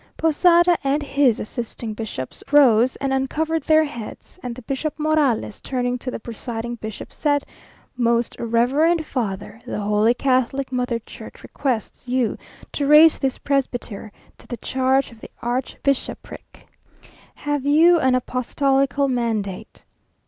Posada and his assisting bishops rose, and uncovered their heads; and the Bishop Morales turning to the presiding bishop, said, "Most reverend father, the holy Catholic Mother Church requests you to raise this Presbyter to the charge of the archbishopric." "Have you an apostolical mandate?"